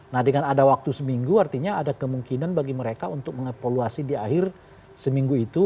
nah dengan ada waktu seminggu artinya ada kemungkinan bagi mereka untuk mengevaluasi di akhir seminggu itu